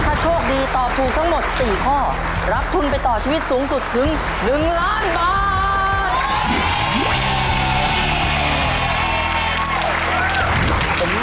ถ้าโชคดีตอบถูกทั้งหมด๔ข้อรับทุนไปต่อชีวิตสูงสุดถึง๑ล้านบาท